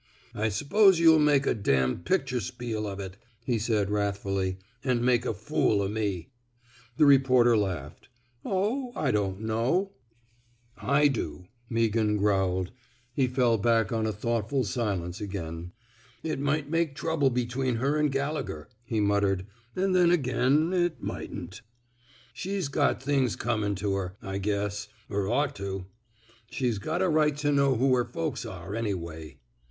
*' I s'pose yuh'll make a d picture spiel of it," he said, wrathfully, *' an' make a fool o' me." The reporter laughed. Oh, I don't know." I do," Meaghan growled. He fell back on a thoughtful silence again. It might make trouble between her an' Gallegher," he muttered. *' An' then again it mightn't. ... She's got things comin' to her, I guess — er ought to. She's got a right to know who her folks are, anyway."